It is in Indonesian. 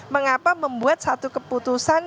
mengapa membuat satu keputusan